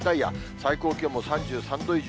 最高気温も３３度以上。